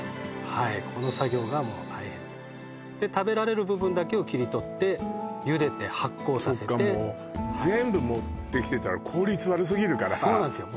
はいこの作業がもう大変とで食べられる部分だけを切り取って茹でて発酵させてそっかもう全部持ってきてたら効率悪すぎるからそうなんですよ